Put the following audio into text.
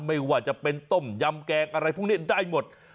ไม่ว่าจะเป็นต้มยำแกงอะไรพวกนี้ได้หมด